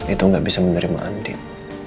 itu tidak bisa menerima andin